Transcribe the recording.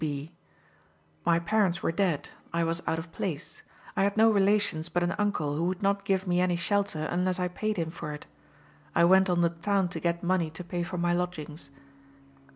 C. B.: "My parents were dead. I was out of place. I had no relations but an uncle, who would not give me any shelter unless I paid him for it. I went on the town to get money to pay for my lodgings."